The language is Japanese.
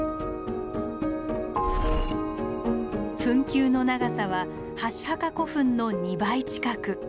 墳丘の長さは箸墓古墳の２倍近く。